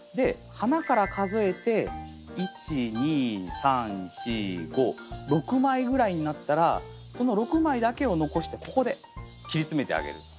花から数えて１２３４５６枚ぐらいになったらその６枚だけを残してここで切り詰めてあげる。